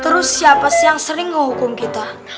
terus siapa sih yang sering menghukum kita